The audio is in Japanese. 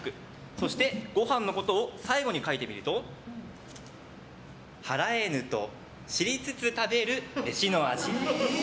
そしてごはんのことを最後に書いてみると払えぬと知りつつ食べる、飯の味。